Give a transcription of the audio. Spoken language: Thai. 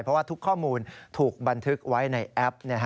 เพราะว่าทุกข้อมูลถูกบันทึกไว้ในแอป